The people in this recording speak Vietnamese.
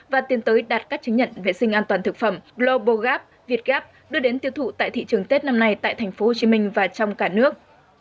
và tiến tới đạt các chứng nhận vệ sinh an toàn thực phẩm global gap việt gap đưa đến tiêu thụ tại thị trường tết năm nay tại tp hcm và trong cả nước